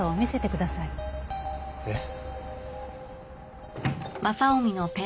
えっ？